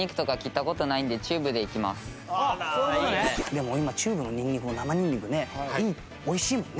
でも今チューブのニンニクも生ニンニクね美味しいもんね。